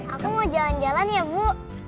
aku mau jalan jalan ya bu